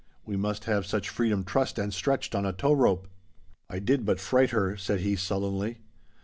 We must have such freedom trussed and stretched on a tow rope.' 'I did but fright her,' said he, sullenly.